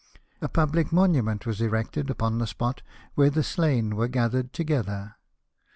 A public monument was erected upon the spot where the slain were gathered together.